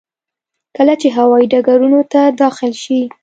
کله چې هوايي ډګرونو ته داخل شي.